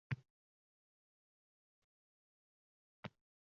Og`ir-bosiq qaynonalarimiz bizga sabr qilishgan